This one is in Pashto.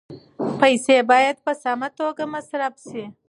پیسې باید په سمه توګه مصرف شي.